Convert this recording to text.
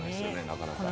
なかなか。